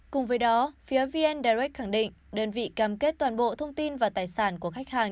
cùng với đó phía vn direct khẳng định đơn vị cam kết toàn bộ thông tin và tài sản của khách hàng